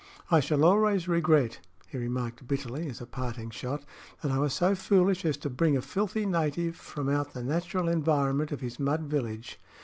"I shall always regret," he remarked, bitterly, as a parting shot, "that I was so foolish as to bring a filthy native from out the natural environment of his mud village."